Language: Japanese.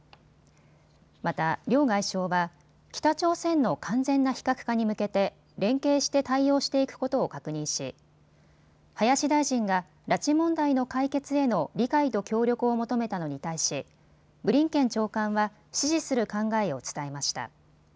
また両外相は北朝鮮の完全な非核化に向けて連携して対応していくことを確認し林大臣が拉致問題の解決への理解と協力を求めたのに対しブリンケン長官は支持する考えを伝えました。